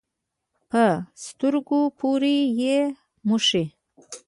په سترګو پورې یې مښي.